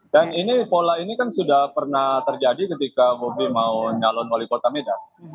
dan ini pola ini kan sudah pernah terjadi ketika bobi mau nyalon wali kota medan